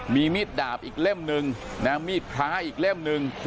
มีมิดดาบอีกเล่มนึงแล้วมีพระอีกเล่มนึง